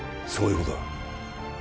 そういうことだ